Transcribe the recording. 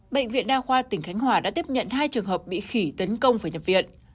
bệnh viện đa khoa tỉnh khánh hòa đã tiếp nhận hai trường hợp bị khỉ tấn công phải nhập viện